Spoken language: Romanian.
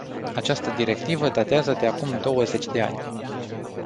Această directivă datează de acum douăzeci de ani.